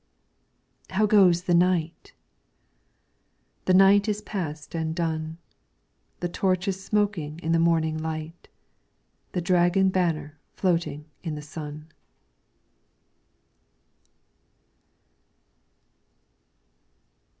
How goes the night .'' The night is past and done. The torch is smoking in the morning light, The dragon banner floating in the sun.